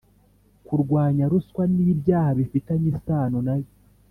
kurwanya ruswa n'ibyaha bifitanye isano na yo;